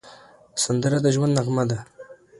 سندره د ژوند نغمه ده